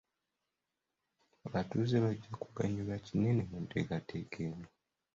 Abatuuze bajja kuganyulwa kinene mu nteekateeka eno.